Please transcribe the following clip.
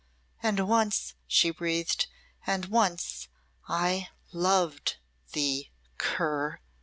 "And once," she breathed "and once I loved thee cur!"